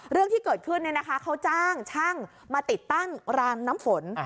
เรื่องที่เกิดขึ้นเขาจ้างช่างมาติดตั้งรางน้ำฝน